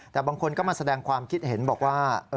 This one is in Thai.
แต่บางคนก็มาแสดงความคิดเห็นบอกว่า